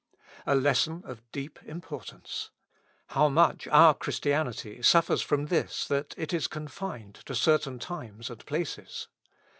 A lesson of deep importance. How much our Christianity suffers from this, that it is confined to certain times and places